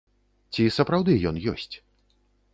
Ці сапраўды ён ёсць?